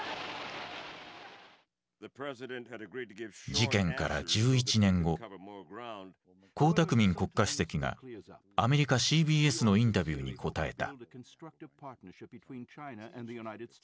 事件から１１年後江沢民国家主席がアメリカＣＢＳのインタビューに答えた。